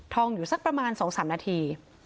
องอยู่สักประมาณ๒๓นาที